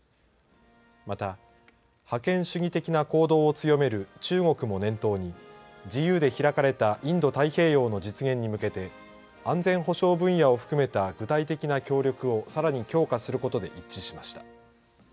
また、覇権主義的な行動を強める中国も念頭に自由で開かれたインド太平洋の実現に向けて安全保障分野を含めた具体的な協力をさらに強化することで一致しました。